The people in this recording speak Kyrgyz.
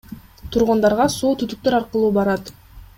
Тургундарга суу түтүктөр аркылуу барат.